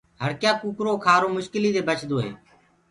هڙڪيآ ڪوُڪرو کآرو مشڪليٚ دي بچدوئي